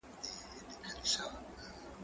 زه کولای سم وخت تېرووم!.